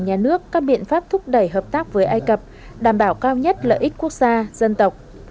nhà nước các biện pháp thúc đẩy hợp tác với ai cập đảm bảo cao nhất lợi ích quốc gia dân tộc